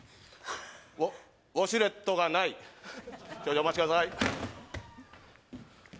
ウォウォシュレットがない少々お待ちください